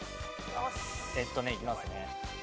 えっとねいきますね。